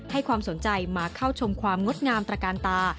ให้ความสนใจมาเข้าชมความงดงามตระการตา